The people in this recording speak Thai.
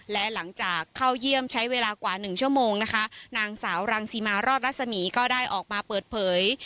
และหลังจากเข้าเยี่ยมใช้เวลากว่าหนึ่งชั่วโมงนะคะนางสาวรังสิมารอดรัศมีก็ได้ออกมาเปิดเผย